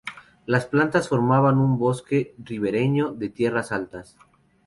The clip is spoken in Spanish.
Las plantas formaban un bosque ribereño de tierras altas.